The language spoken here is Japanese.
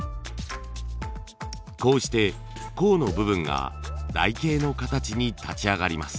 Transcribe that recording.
こうして甲の部分が台形の形に立ち上がります。